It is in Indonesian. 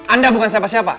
anda bukan siapa siapa